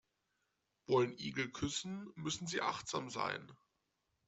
Wollen Igel küssen, müssen sie achtsam sein.